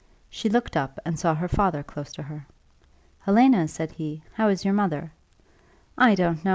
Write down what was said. She looked up, and saw her father close to her. "Helena," said he, "how is your mother?" "I don't know.